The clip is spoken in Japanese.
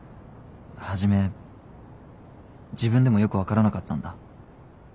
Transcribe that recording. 初め自分でもよく分からなかったんだ。